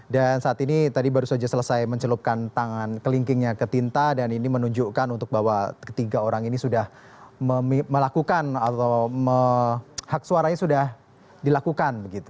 dan saat ini tadi baru saja selesai mencelupkan tangan kelingkingnya ke tinta dan ini menunjukkan untuk bahwa ketiga orang ini sudah melakukan atau hak suaranya sudah dilakukan